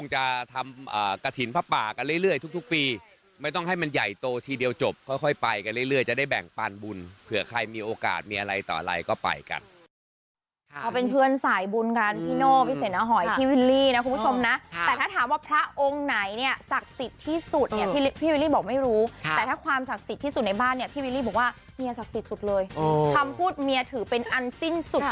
หรือเปล่าเพื่อความมุมความจริง